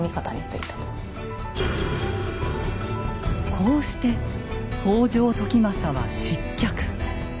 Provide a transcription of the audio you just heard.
こうして北条時政は失脚。